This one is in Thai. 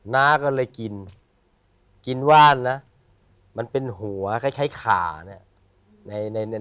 น้าก็เลยกินกินว่านนะมันเป็นหัวคล้ายขาเนี่ย